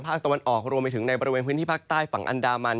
ตะวันออกรวมไปถึงในบริเวณพื้นที่ภาคใต้ฝั่งอันดามัน